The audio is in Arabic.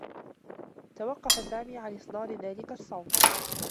توقّف سامي عن إصدار ذلك الصّوت.